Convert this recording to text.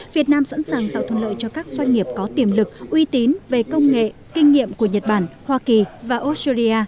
việt nam sẵn sàng tạo thuận lợi cho các doanh nghiệp có tiềm lực uy tín về công nghệ kinh nghiệm của nhật bản hoa kỳ và australia